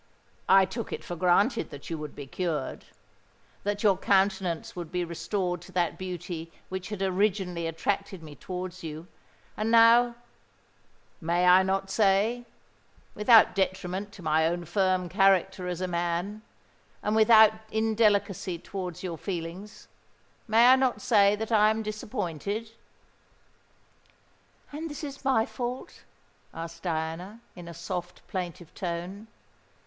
I took it for granted that you would be cured—that your countenance would be restored to that beauty which had originally attracted me towards you;—and now, may I not say—without detriment to my own firm character as a man, and without indelicacy towards your feelings,—may I not say that I am disappointed?" "And is this my fault?" asked Diana, in a soft plaintive tone.